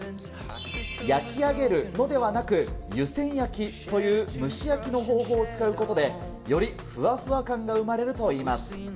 焼き上げるのではなく、湯煎焼きという蒸し焼きの方法を使うことで、よりふわふわ感が生まれるといいます。